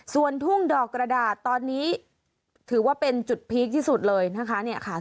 ส่วนทุ่งดอกกระดาษตอนนี้ถือว่าเป็นจุดพีคที่สุดเลยนะคะเนี่ยค่ะ